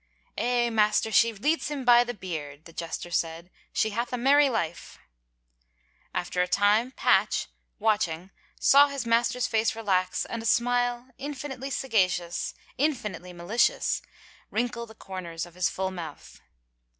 " Eh, master, she leads him by the beard," the jester said. " She hath a merry life." After a time. Patch, watching, saw his master's face relax and a smile, infinitely sagacious, infinitely mali cious, wrinkle the comers of his full mouth.